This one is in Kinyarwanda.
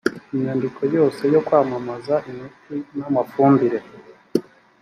inyandiko yose yo kwamamaza imiti n amafumbire